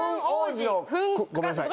ごめんなさい。